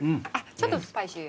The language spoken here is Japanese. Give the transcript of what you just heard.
ちょっとスパイシー。